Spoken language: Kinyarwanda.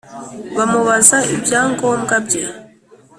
bamubaza ibyangombwa bye